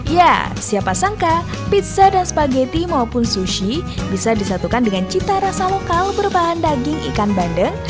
ya siapa sangka pizza dan spaghetti maupun sushi bisa disatukan dengan cita rasa lokal berbahan daging ikan bandeng